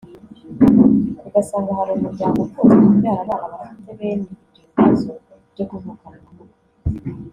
ugasanga hari umuryango ukunze kubyara abana bafite bene ibyo bibazo byo kuvukana ubumuga